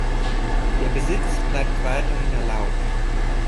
Der Besitz bleibt weiterhin erlaubt.